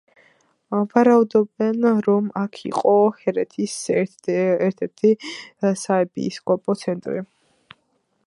ვარაუდობენ, რომ აქ იყო ჰერეთის ერთ-ერთი საეპისკოპოსო ცენტრი.